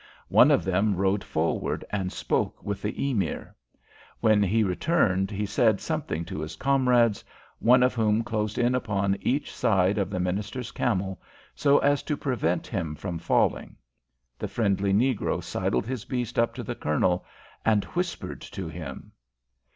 One of them rode forward and spoke with the Emir. When he returned he said something to his comrades, one of whom closed in upon each side of the minister's camel, so as to prevent him from falling. The friendly negro sidled his beast up to the Colonel, and whispered to him.